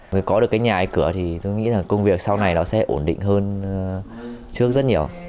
mới có được cái nhà cửa thì tôi nghĩ là công việc sau này nó sẽ ổn định hơn trước rất nhiều